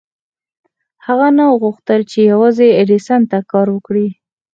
هغه نه غوښتل چې يوازې ايډېسن ته کار وکړي.